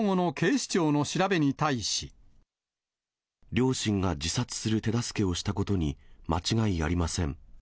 両親が自殺する手助けをしたことに間違いありません。